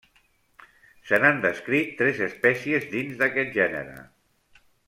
Se n'han descrit tres espècies dins aquest gènere.